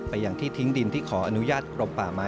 ไปอย่างที่ทิ้งดินที่ขออนุญาตรบป่าไม้ออกมา